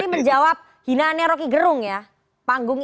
menjawab hinaannya rocky gerung ya